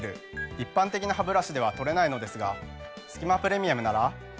一般的なハブラシでは取れないのですが「すき間プレミアム」なら。